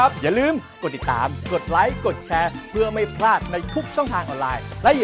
สวัสดีค่ะ